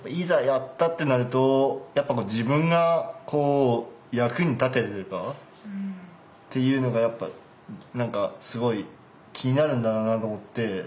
やったってなると自分がこう役に立ててるかっていうのがやっぱ何かすごい気になるんだろうなと思って。